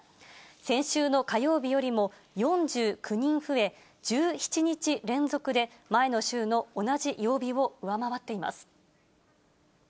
先週の火曜日よりも４９人増え、１７日連続で前の週の同じ曜日を上回っています。